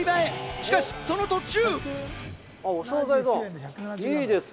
しかし、その途中。